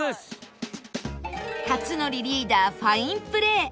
克典リーダーファインプレー